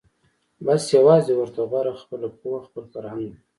بس یوازي ورته غوره خپله پوهه خپل فرهنګ وي